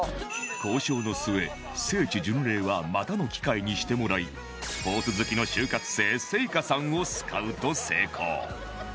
交渉の末聖地巡礼はまたの機会にしてもらいスポーツ好きの就活生聖夏さんをスカウト成功